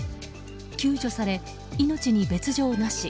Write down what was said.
救助され、命に別条なし。